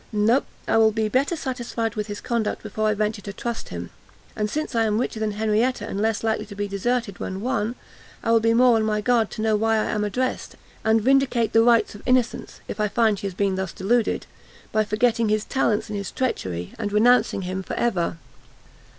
No, I will be better satisfied with his conduct, before I venture to trust him, and since I am richer than Henrietta and less likely to be deserted, when won, I will be more on my guard to know why I am addressed, and vindicate the rights of innocence, if I find she has been thus deluded, by forgetting his talents in his treachery, and renouncing him for ever!"